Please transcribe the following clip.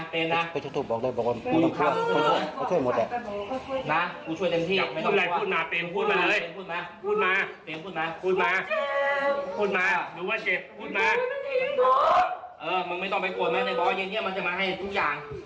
มึงไม่ต้องไปโกรธแม่ในบอร์ยิงมันจะมาให้ทุกอย่าง